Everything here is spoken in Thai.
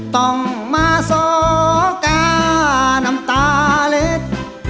ต้องมาสอก้าน้ำตาเล็ก